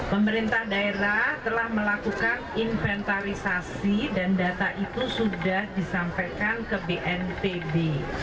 pemerintah daerah telah melakukan inventarisasi dan data itu sudah disampaikan ke bnpb